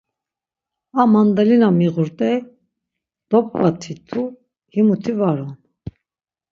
A mandalina miğurt̆ey, dopǩvatitu himuti var on.